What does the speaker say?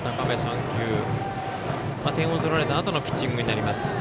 点を取られたあとのピッチングになります